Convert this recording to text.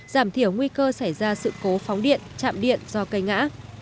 giảm thiểu nguy cơ xảy ra sự cố phóng điện chạm điện do cây ngã